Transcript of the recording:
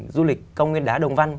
du lịch công nguyên đá đồng văn